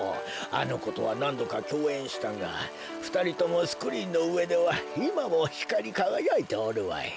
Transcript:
あのことはなんどかきょうえんしたがふたりともスクリーンのうえではいまもひかりかがやいておるわい。